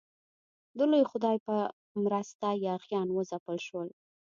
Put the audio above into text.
د لوی خدای په مرسته یاغیان وځپل شول.